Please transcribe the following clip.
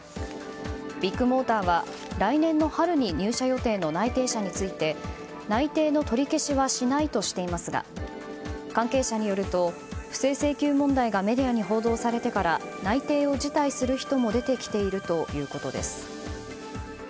ビッグモーターは来年の春に入社予定の内定者について内定の取り消しはしないとしていますが関係者によると、不正請求問題がメディアに報道されてから内定を辞退する人も出てきているということです。